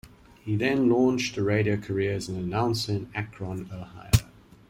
He then launched a radio career as an announcer in Akron, Ohio.